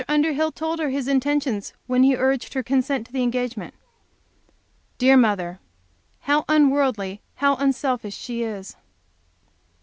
Underhill told her his intentions when he urged her consent to the engagement. Dear mother! How unworldly, how unselfish she is!